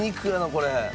これ。